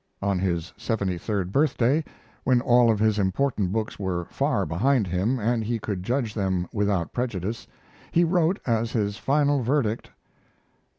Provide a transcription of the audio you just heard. On his seventy third birthday, when all of his important books were far behind him, and he could judge them without prejudice, he wrote as his final verdict: Nov.